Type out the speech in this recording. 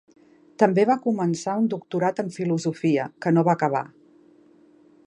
També va començar un doctorat en Filosofia, que no va acabar.